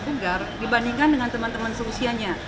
lebih bugar dibandingkan dengan teman teman seusianya